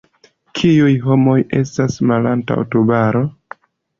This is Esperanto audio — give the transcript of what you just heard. Kiuj homoj estas malantaŭ Tubaro?